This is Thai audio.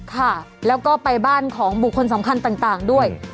ค่ะแล้วก็ไปบ้านของบุคคลสำคัญต่างด้วย